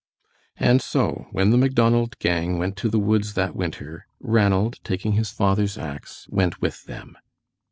And so, when the Macdonald gang went to the woods that winter, Ranald, taking his father's ax, went with them.